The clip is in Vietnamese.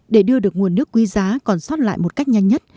để đưa được nguồn nước quý giá còn sót lại một cách nhanh nhất